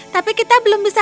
tapi kita belum menangis